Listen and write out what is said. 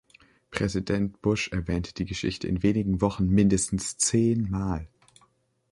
Präsident Bush erwähnte die Geschichte in wenigen Wochen mindestens zehnmal.